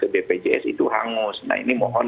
bpjs itu hangus nah ini mohon